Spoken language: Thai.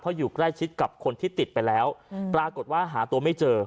เพราะอยู่ใกล้ชิดกับคนที่ติดไปแล้วปรากฏว่าหาตัวไม่เจอ